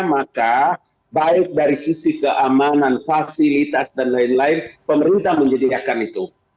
maka baik dari sisi keamanan fasilitas dan lain lain pemerintah menyediakan itu